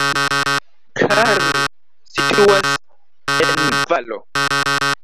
Karl situas en valo.